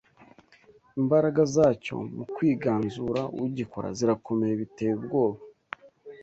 Imbaraga zacyo mu kwiganzura ugikora zirakomeye biteye ubwoba